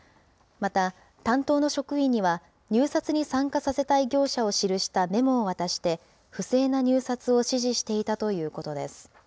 また担当の職員には、入札に参加させたい業者を記したメモを渡して、不正な入札を指示していたということです。